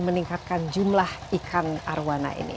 meningkatkan jumlah ikan arowana ini